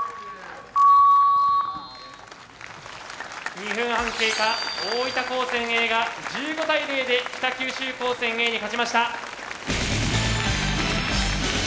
２分半経過大分高専Ａが１５対０で北九州高専Ａに勝ちました。